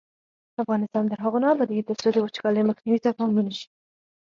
افغانستان تر هغو نه ابادیږي، ترڅو د وچکالۍ مخنیوي ته پام ونشي.